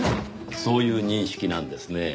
そういう認識なんですねぇ。